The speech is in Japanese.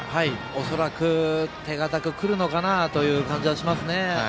恐らく手堅く来るのかなという気がします。